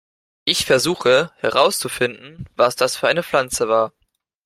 Ich versuche, herauszufinden, was das für eine Pflanze war.